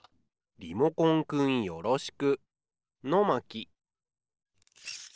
リモコンくんよろしく。